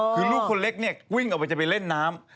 คือลูกคนเล็กเนี่ยวิ่งออกไปจะไปเล่นน้ำ